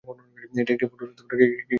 এটি একটি ফুটবল ও ক্রিকেট ভিত্তিক একাডেমি।